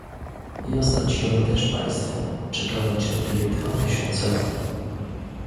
"Ja straciłem też państwo, czekałem cierpliwie dwa tysiące lat."